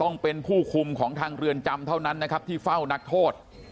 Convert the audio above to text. ต้องเป็นผู้คุมของทางเรือนจำเท่านั้นนะครับที่เฝ้านักโทษ